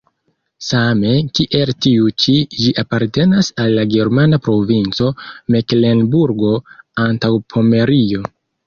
Same kiel tiu ĉi ĝi apartenas al la germana provinco Meklenburgo-Antaŭpomerio.